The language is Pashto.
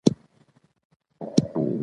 په دسیسه پوهیږي